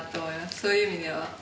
そういう意味では。